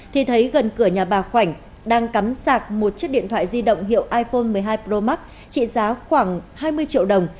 thì thấy gần cửa nhà bà khoảnh đang cắm sạc một chiếc điện thoại di động hiệu iphone một mươi hai pro max trị giá khoảng hai mươi triệu đồng